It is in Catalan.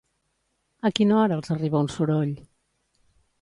A quina hora els arriba un soroll?